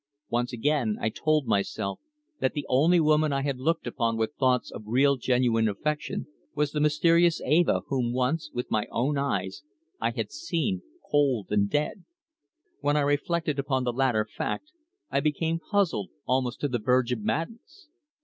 Once again I told myself that the only woman I had looked upon with thoughts of real genuine affection was the mysterious Eva, whom once, with my own eyes, I had seen cold and dead. When I reflected upon the latter fact I became puzzled almost to the verge of madness.